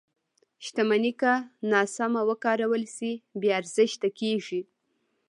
• شتمني که ناسمه وکارول شي، بې ارزښته کېږي.